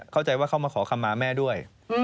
เข้าใจว่าเขามาขอคำมาแม่ด้วย